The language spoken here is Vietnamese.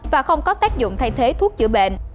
và không có tác dụng thay thế thuốc chữa bệnh